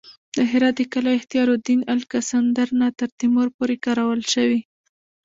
د هرات د قلعه اختیارالدین د الکسندر نه تر تیمور پورې کارول شوې